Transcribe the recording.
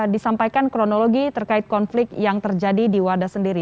disampaikan kronologi terkait konflik yang terjadi di wadas sendiri